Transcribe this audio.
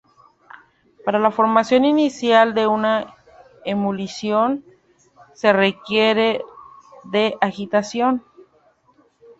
Para la formación inicial de una emulsión, se requiere de agitación.